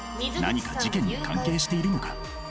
何か事件に関係しているのか？